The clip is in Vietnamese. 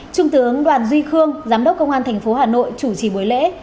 trung tướng đoàn duy khương giám đốc công an tp hà nội chủ trì buổi lễ